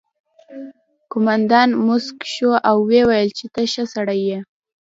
قومندان موسک شو او وویل چې ته ښه سړی یې